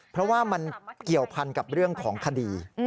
เพราะว่ามันเกี่ยวพันกับเรื่องของคดี